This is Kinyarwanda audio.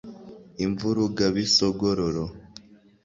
Imvurugabisogororo